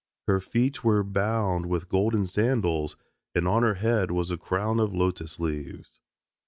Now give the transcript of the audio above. Her feet were bound with golden sandals, and on her head was a crown of lotus leaves.